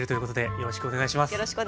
よろしくお願いします。